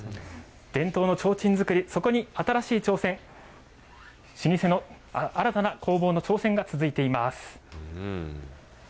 伝統の提灯作り、そこに新しい挑戦、老舗の新たな工房の挑戦が続いています。